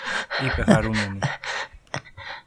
είπε χαρούμενη